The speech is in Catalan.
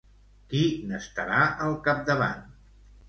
Qui n'estarà al capdavant?